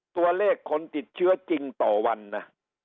ตัวเลขคนติดเชื้อจริงต่อวันนะ